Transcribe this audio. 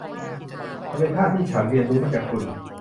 มันเป็นท่าที่ฉันเรียนรู้มาจากคุณ